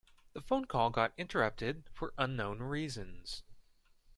The phone call got interrupted for unknown reasons.